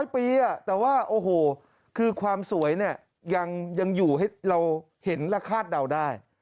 ๐ปีแต่ว่าโอ้โหคือความสวยเนี่ยยังอยู่ให้เราเห็นและคาดเดาได้